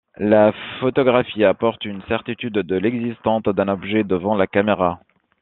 La photographie apporte une certitude de l’existence d’un objet devant la caméra.